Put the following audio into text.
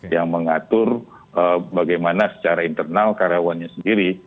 yang mengatur bagaimana secara internal karyawannya sendiri